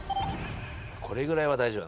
これぐらいは大丈夫だ。